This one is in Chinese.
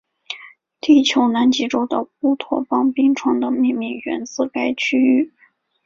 地球南极洲的乌托邦冰川的命名源自该区域。